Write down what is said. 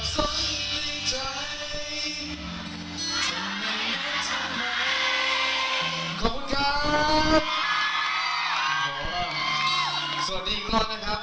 สวัสดีอีกรอบนะครับ